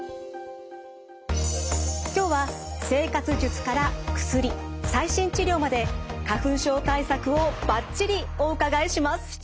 今日は生活術から薬最新治療まで花粉症対策をバッチリお伺いします。